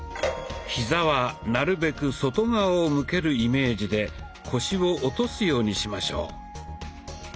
ヒザはなるべく外側を向けるイメージで腰を落とすようにしましょう。